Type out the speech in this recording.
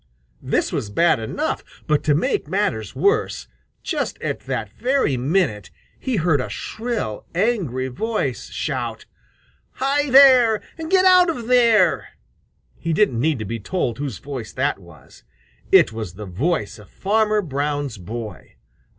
This was bad enough, but to make matters worse, just at that very minute he heard a shrill, angry voice shout, "Hi, there! Get out of there!" He didn't need to be told whose voice that was. It was the voice of Farmer Brown's boy.